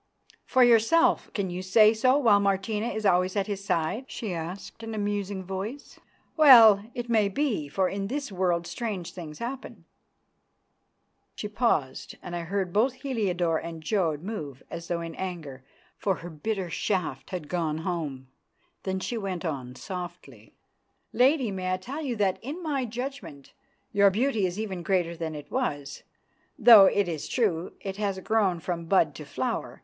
"For yourself! Can you say so while Martina is always at his side?" she asked in a musing voice. "Well, it may be, for in this world strange things happen." She paused, and I heard both Heliodore and Jodd move as though in anger, for her bitter shaft had gone home. Then she went on softly, "Lady, may I tell you that, in my judgment, your beauty is even greater than it was, though it is true it has grown from bud to flower.